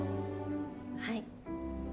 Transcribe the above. はい。